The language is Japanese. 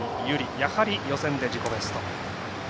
やはり予選で自己ベスト。